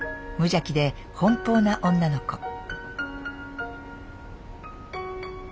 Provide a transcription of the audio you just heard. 無邪気で奔放な女の子。